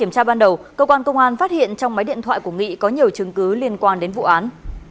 công an phát hiện trong máy điện thoại của nghị có nhiều chứng cứ liên quan đến vụ án